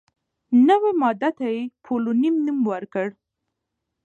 نوې ماده ته یې «پولونیم» نوم ورکړ.